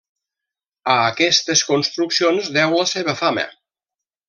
A aquestes construccions deu la seva fama.